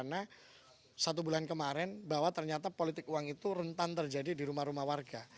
karena satu bulan kemarin bahwa ternyata politik uang itu rentan terjadi di rumah rumah warga